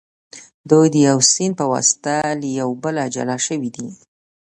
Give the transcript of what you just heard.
دوی د یو سیند په واسطه له یو بله جلا شوي دي.